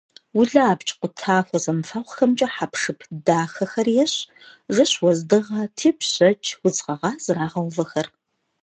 Улэ абдж къутахуэ зэмыфэгъухэмкӏэ хэпшып дахэхэр ещӏ: жэщ уэздыгъэ, тепщэч, удз гъэгъа зрагъэувэхэр.